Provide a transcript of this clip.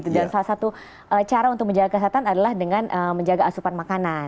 dan salah satu cara untuk menjaga kesehatan adalah dengan menjaga asupan makanan